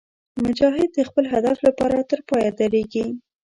مجاهد د خپل هدف لپاره تر پایه درېږي.